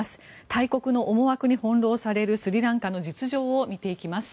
大国の思惑に翻ろうされるスリランカの実情を見ていきます。